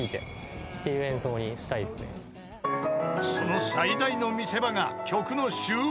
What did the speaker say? ［その最大の見せ場が曲の終盤］